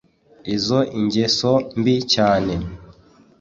izo ingeso mbi cyane